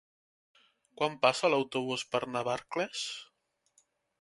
Quan passa l'autobús per Navarcles?